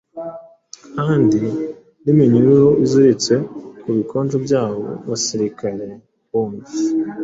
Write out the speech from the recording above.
kandi n’iminyururu ikiziritse ku bikonjo byabo basirikare bombi